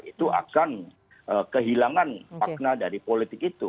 itu akan kehilangan makna dari politik itu